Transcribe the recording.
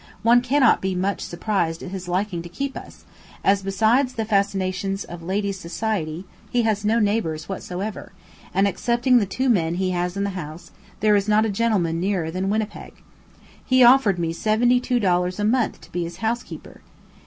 one cannot be much surprised at his liking to keep us, as, besides the fascinations of ladies' society, he has no neighbours whatsoever, and, excepting the two men he has in the house, there is not a gentleman nearer than Winnipeg. He offered me seventy two dollars a month to be his housekeeper.